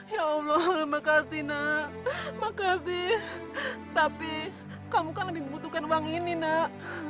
ya allah makasih nak makasih tapi kamu kan lebih membutuhkan uang ini nak